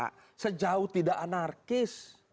kalau kita bicara sejauh tidak anarkis